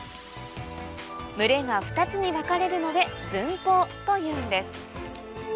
群れが２つに分かれるので分蜂というんです